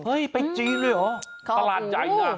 เฮ้ยไปจีนด้วยหรอตลาดใหญ่นะ